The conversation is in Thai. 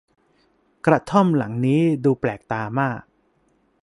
กระท่อมหลังนี้ดูแปลกตามาก